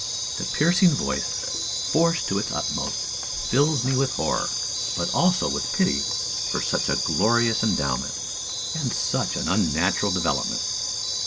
The piercing voice, forced to its utmost, fills me with horror; but also with pity for such a glorious endowment, and such an unnatural development.